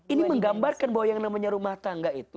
ini menggambarkan bahwa yang namanya rumah tangga itu